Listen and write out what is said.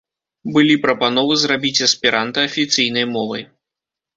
Былі прапановы зрабіць эсперанта афіцыйнай мовай.